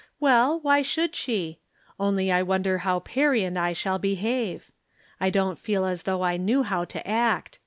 Well, why should she ? Only I wonder how Perry and I shall behave. I don't feel as though I knew how to act.